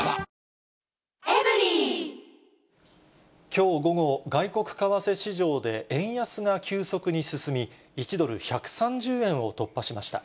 きょう午後、外国為替市場で円安が急速に進み、１ドル１３０円を突破しました。